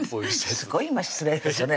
すごい今失礼ですよね